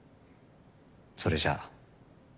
それじゃあ。